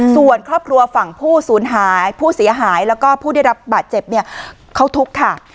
ส่วนครอบครัวฝั่งผู้สูญหายผู้เสียหายแล้วก็ผู้ได้รับบาดเจ็บเนี่ยเขาทุกข์ค่ะ